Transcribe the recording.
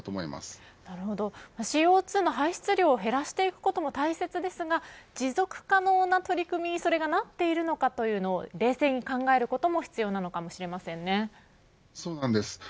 ＣＯ２の排出量を減らしていくことも大切ですが持続可能な取り組みにそれがなっているのかというのを冷静に考えることもそうなんです。